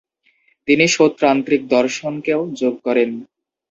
তিনি সৌত্রান্তিক দর্শনকেও যোগ করেন।